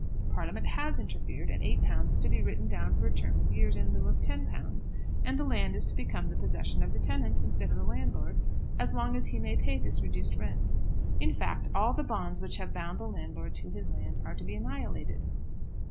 Parliament has interfered, and £8 is to be written down for a term of years in lieu of £10, and the land is to become the possession of the tenant instead of the landlord as long as he may pay this reduced rent. In fact all the bonds which have bound the landlord to his land are to be annihilated.